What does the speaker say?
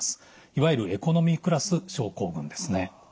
いわゆるエコノミークラス症候群ですね。